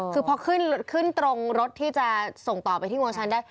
คือพอขึ้นตรงรถที่จะส่งต่อไปที่วงชันได้